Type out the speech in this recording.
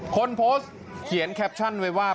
คนโพสต์เขียนแคปชั่นไว้ว่า